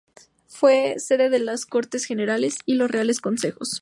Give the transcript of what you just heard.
Fue sede de las Cortes Generales y de los reales consejos.